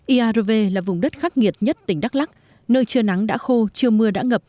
iarve là vùng đất khắc nghiệt nhất tỉnh đắk lắc nơi trưa nắng đã khô trưa mưa đã ngập